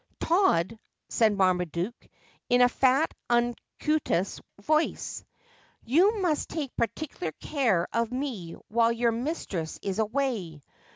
' Todd,' said Marmaduke, in a fat and unctuous voice, ' you must take particular care of me while your mistress is away.